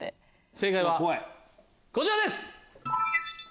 正解はこちらです！